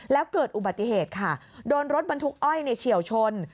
แล้วเกิดอุบัติเหตุค่ะโดนรถบรรทุกอ้อยเฉียวชน